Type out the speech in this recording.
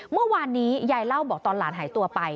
เมื่อวานนี้ยายเล่าบอกตอนหลานหายตัวไป